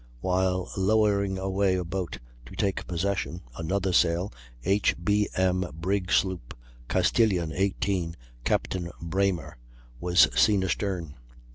While lowering away a boat to take possession, another sail (H. B. M. brig sloop Castilian, 18, Captain Braimer) was seen astern.